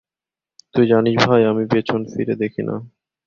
তুই জানিস ভাই, আমি পেছন ফিরে দেখি না।